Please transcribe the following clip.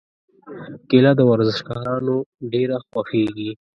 کېله د ورزشکارانو ډېره خوښېږي.